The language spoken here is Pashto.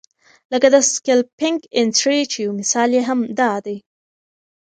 لکه د سکیلپنګ انټري چې یو مثال یې هم دا دی.